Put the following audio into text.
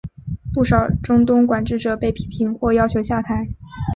不少中东管治者被批评或要求下台。